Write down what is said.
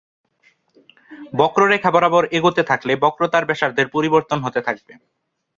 বক্ররেখা বরাবর এগোতে থাকলে বক্রতার ব্যাসার্ধের পরিবর্তন হতে থাকবে।